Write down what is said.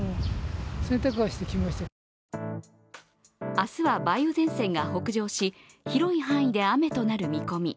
明日は梅雨前線が北上し、広い範囲で雨となる見込み。